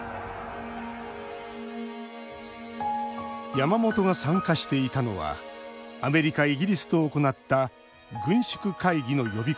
山本が参加していたのはアメリカイギリスと行った軍縮会議の予備交渉。